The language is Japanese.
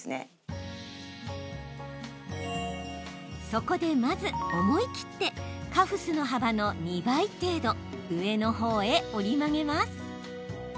そこでまず、思い切ってカフスの幅の２倍程度上のほうへ折り曲げます。